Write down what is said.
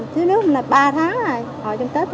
thiếu nước là ba tháng rồi hồi trong tết